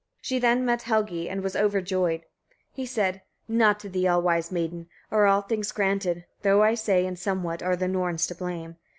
She then met Helgi, and was overjoyed. He said: 24. Not to thee, all wise maiden! are all things granted, though, I say, in somewhat are the Norns to blame.